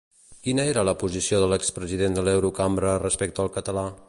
Quina era la posició de l'expresident de l'Eurocambra respecte al català?